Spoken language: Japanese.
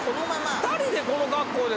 ２人でこの格好で。